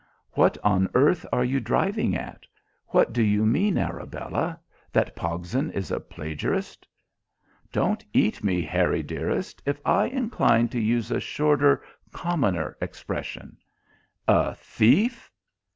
"What on earth are you driving at? What do you mean, Arabella that Pogson is a plagiarist?" "Don't eat me, Harry dearest, if I incline to use a shorter, commoner expression." "A thief?"